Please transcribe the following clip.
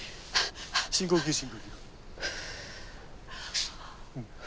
深呼吸深呼吸。